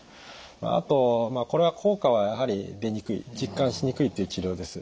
あとこれは効果はやはり出にくい実感しにくいという治療です。